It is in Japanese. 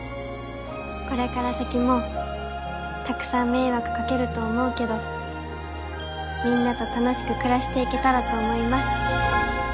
これから先も沢山迷惑かけると思うけどみんなと楽しく暮らしていけたらと思います。